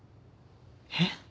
えっ？